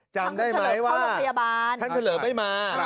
จำได้ไหมว่าท่านเฉลิมไม่มา